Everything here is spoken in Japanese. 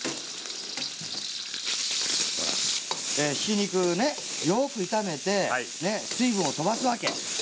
ひき肉ねよく炒めてねっ水分をとばすわけ。